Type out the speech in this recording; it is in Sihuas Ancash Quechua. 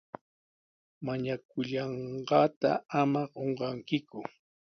Mañakullanqaata ama qunqakiku.